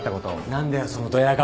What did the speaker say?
なんだよそのドヤ顔。